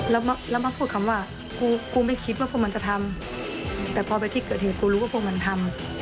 แล้วมาพูดคำว่ากูกูไม่คิดว่าพวกมันจะทำแต่พอไปที่เกิดเหตุกูรู้ว่าพวกมันทำ